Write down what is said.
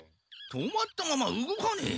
止まったまま動かねえ。